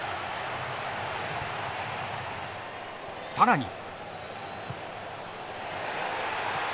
さらに。